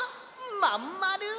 まんまる！